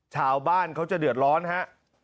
ชาวบ้านเขาจะเดือดร้อนฮะ